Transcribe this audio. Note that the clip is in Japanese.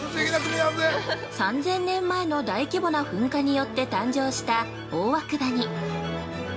◆３０００年前の大規模な噴火によって誕生した大涌谷。